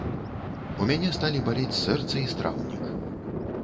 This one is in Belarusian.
У мяне сталі балець сэрца і страўнік.